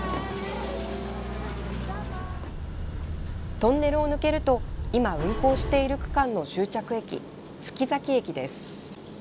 トンネルを抜けると今、運行している区間の終着駅月崎駅です。